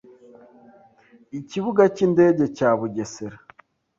Ikibuga cy’Indege cya Bugesera